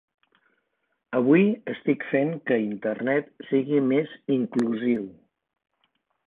Avui estic fent que Internet sigui més inclusiu